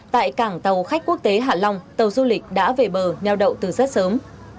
tại cảng tàu khách quốc tế hạ long tàu du lịch đã về bờ nheo đậu từ rất sớm